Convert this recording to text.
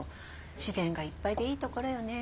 自然がいっぱいでいいところよね。